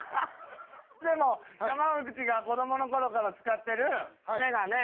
でも山内が子供の頃から使ってるメガネ。